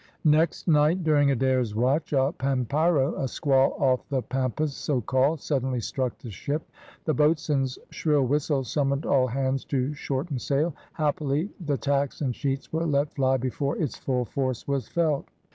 Next night, during Adair's watch, a pampeiro, a squall off the Pampas so called, suddenly struck the ship; the boatswain's shrill whistle summoned all hands to shorten sail; happily, the tacks and sheets were let fly before its full force was felt.